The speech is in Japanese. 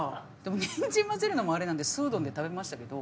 ニンジン混ぜるのもあれなんで素うどんで食べましたけど。